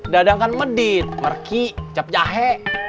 dadang kan medit merki cap jahe